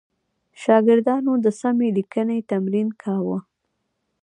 شاګردانو د سمې لیکنې تمرین کاوه.